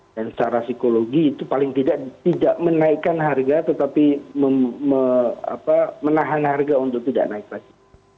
dan secara psikologi itu paling tidak menaikkan harga tetapi menahan harga untuk tidak naik lagi